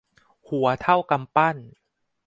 หัวเท่ากำปั้น